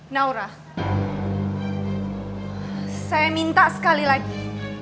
naura saya minta sekali lagi